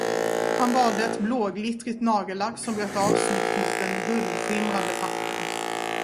Han valde ett blåglittrigt nagellack som bröt av snyggt mot den guldskimrande fracken.